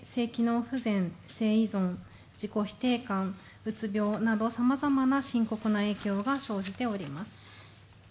自己否定感、うつ病など、さまざまな深刻な影響が生じております。